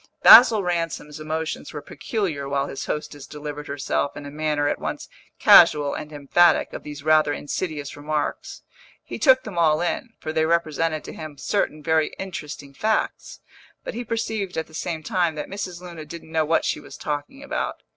Basil Ransom's emotions were peculiar while his hostess delivered herself, in a manner at once casual and emphatic, of these rather insidious remarks. He took them all in, for they represented to him certain very interesting facts; but he perceived at the same time that Mrs. Luna didn't know what she was talking about.